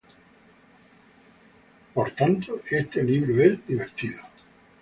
Por tanto, este libro es divertido".